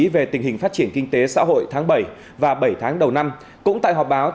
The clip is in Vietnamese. về tình hình phát triển kinh tế xã hội tháng bảy và bảy tháng đầu năm cũng tại họp báo